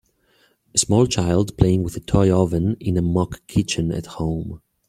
A small child playing with a toy oven in a mock kitchen at home.